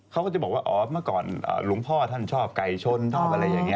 เขาก็จะบอกว่าอ๋อเมื่อก่อนหลวงพ่อท่านชอบไก่ชนชอบอะไรอย่างนี้